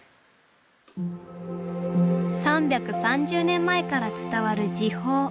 ３３０年前から伝わる寺宝。